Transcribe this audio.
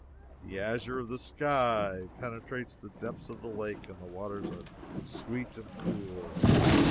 The azure of the sky penetrates the depths of the lake, and the waters are sweet and cool.